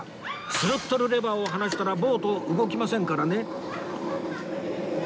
スロットルレバーを離したらボート動きませんからね